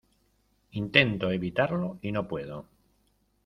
intento evitarlo y no puedo.